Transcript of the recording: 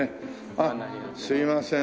あっすいません。